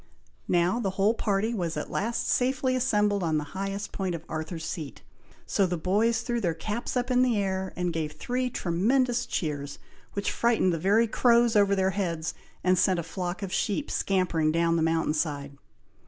Now, the whole party was at last safely assembled on the very highest point of Arthur's Seat, so the boys threw their caps up in the air, and gave three tremendous cheers, which frightened the very crows over their heads, and sent a flock of sheep scampering down the mountain side.